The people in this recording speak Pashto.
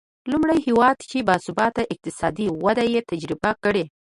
لومړی هېواد چې با ثباته اقتصادي وده یې تجربه کړې.